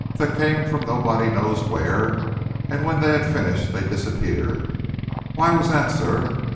They came from nobody knows where, and when they had finished they disappeared. Why was that, sir?